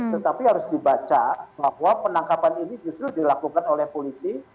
tetapi harus dibaca bahwa penangkapan ini justru dilakukan oleh polisi